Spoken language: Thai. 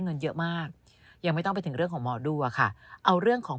เงินเยอะมากยังไม่ต้องไปถึงเรื่องของหมอดูอะค่ะเอาเรื่องของ